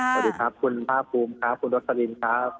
สวัสดีครับคุณภาคภูมิครับคุณรสลินครับ